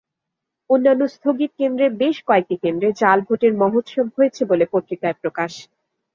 অন্যান্য স্থগিত কেন্দ্রের বেশ কয়েকটি কেন্দ্রে জাল ভোটের মহোৎসব হয়েছে বলে পত্রিকায় প্রকাশ।